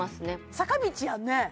坂道やんね